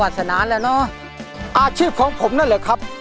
เพลงนี้อยู่ในอาราบัมชุดแรกของคุณแจ็คเลยนะครับ